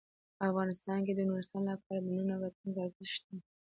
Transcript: افغانستان کې د نورستان لپاره د نن او راتلونکي ارزښت شته.